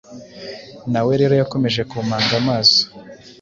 Nawe rero yakomeje kumpanga amaso